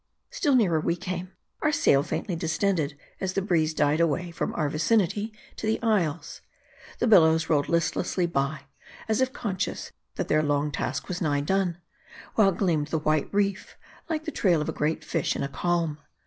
Still nearer we came : our sail faintly distended as the breeze died away from our vicinity to the isles. The bil lows rolled listlessly by, as if conscious that their long task was nigh done ; while gleamed the white reef, like the trail of a great fish in a calm.